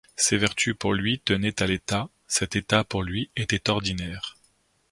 Ses vertus, pour lui, tenaient à l’état ; cet état, pour lui, était ordinaire.